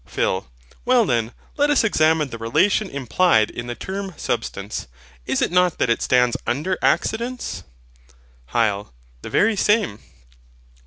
PHIL. Well then, let us examine the relation implied in the term SUBSTANCE. Is it not that it stands under accidents? HYL. The very same.